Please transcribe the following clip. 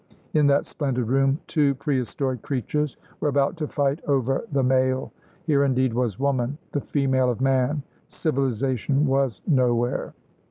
In that splendid room two pre historic creatures were about to fight over the male. Here indeed was woman, the female of man. Civilisation was nowhere.